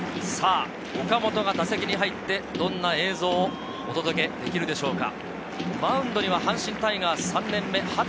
岡本が打席に入って、どんな映像をお届けできるでしょうか。